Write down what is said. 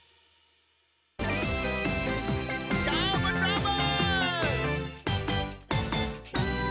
どーもどーも！